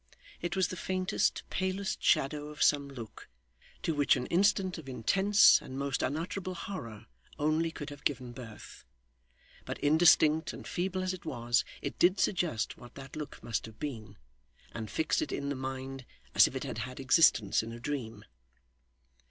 It was the faintest, palest shadow of some look, to which an instant of intense and most unutterable horror only could have given birth; but indistinct and feeble as it was, it did suggest what that look must have been, and fixed it in the mind as if it had had existence in a dream.